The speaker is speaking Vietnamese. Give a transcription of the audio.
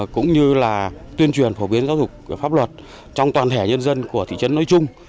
cũng như là tuyên truyền phổ biến giáo dục pháp luật trong toàn thể nhân dân của thị trấn nói chung